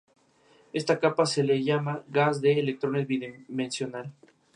Luego de su jubilación asume como director el arq.